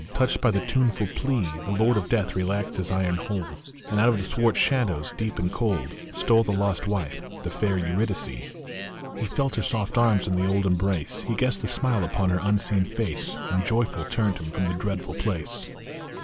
Touched by the tuneful pie The Lord of Death relaxed his iron hold, Arid out of the swart shadows, deep and cold, Stole the lost wife, the fair Eurydice. He felt her soft arms in the old embrace, He guessed the smile upon her unseen face, And joyful turned him from the dreadful place.